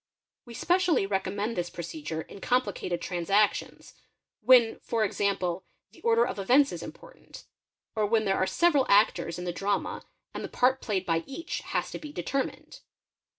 We specially — recommend this procedure in complicated transactions, when, for ex ~ ample, the order of events is important, or when there are several [ actors in the drama and the part played by each has to be determined.